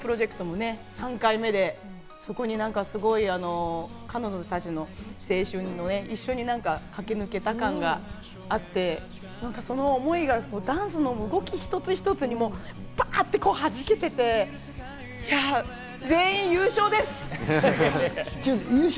ダンスＯＮＥプロジェクトもね、３回目で、そこに彼女たちの青春を一緒に駆け抜けた感があって、なんかその思いがダンスの動き一つ一つにバっと弾けてて、いや、全員優勝です！